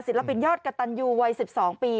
ปินยอดกระตันยูวัย๑๒ปี